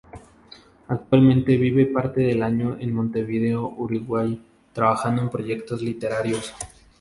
Actualmente vive parte del año en Montevideo, Uruguay, trabajando en proyectos literarios.